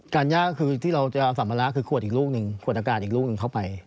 การยากคือที่เราจะสำลักคือขวดอากาศอีกลูกนึงเข้าไป